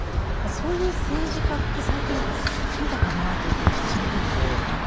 そういう政治家って、最近、見たかなという気がしてしまうわけですけれども。